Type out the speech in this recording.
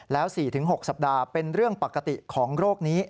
แล้ว๔๖สัปดาห์เป็นเรื่องปกติของโรคนี้